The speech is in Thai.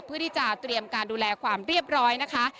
เพื่อที่จะเตรียมการดูแลความเรียบร้อยนะคะ